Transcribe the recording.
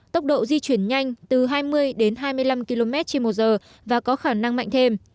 tốc độ di chuyển nhanh từ hai mươi đến hai mươi năm km trên một giờ và có khả năng mạnh thêm